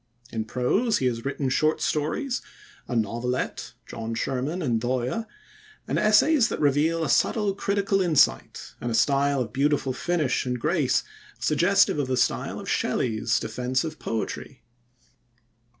In prose he has written short stories, a novelette, John Sherman and Dhoya, and essays that reveal a subtle critical insight, and a style of beautiful finish and grace, suggestive of the style of Shelley's Defence of Poetry.